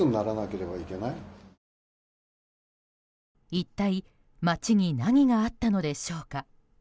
一体、町に何があったのでしょうか。